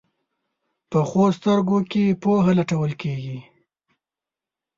پخو سترګو کې پوهه لټول کېږي